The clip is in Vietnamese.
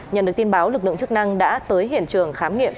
nhận được tin báo lực lượng chức năng đã tới hiện trường khám nghiệm